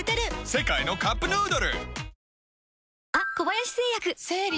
世界のカップヌードル